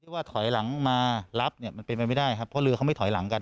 ว่าถอยหลังมารับเนี่ยมันเป็นไปไม่ได้ครับเพราะเรือเขาไม่ถอยหลังกัน